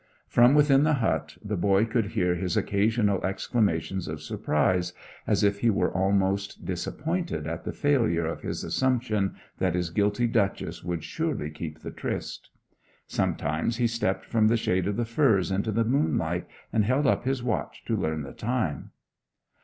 From within the hut the boy could hear his occasional exclamations of surprise, as if he were almost disappointed at the failure of his assumption that his guilty Duchess would surely keep the tryst. Sometimes he stepped from the shade of the furze into the moonlight, and held up his watch to learn the time.